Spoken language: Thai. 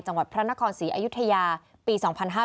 จังหวัดพระนครศรีอยุธยาปี๒๕๕๙